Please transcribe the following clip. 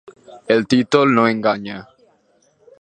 El títol no enganya.